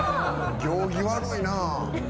行儀悪いな。